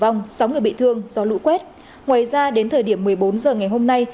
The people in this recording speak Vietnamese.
ngoài ra đến thời điểm một mươi bốn giờ ngày hôm nay